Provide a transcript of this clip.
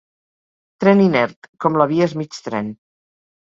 «tren inert»— com la via és mig tren.